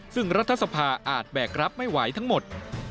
ซึ่งรัฐสภาอาจแบกรับไม่ไหวทั้งหมด